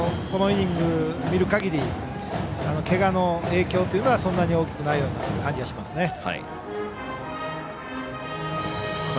このイニング見るかぎりけがの影響というのはそんなに大きくないような感じがしますね。